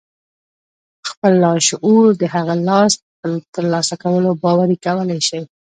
خپل لاشعور د هغه څه په ترلاسه کولو باوري کولای شئ.